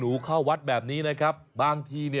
ดูแล้วเหมือนแบบว่าเออ